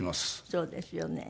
そうですよね。